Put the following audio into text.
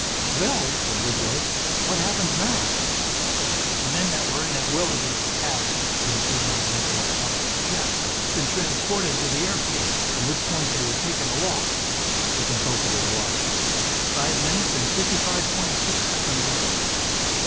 "Well," said Whitlow, "what happens now?" "The men that were in that Whirligig have since you and I went to my office to chat been transported to the airfield, from which point they were taken aloft " he consulted his watch, "five minutes, and fifty five point six seconds ago."